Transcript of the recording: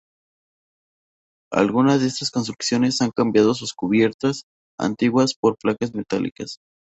Algunas de estas construcciones han cambiado sus cubiertas antiguas por placas metálicas.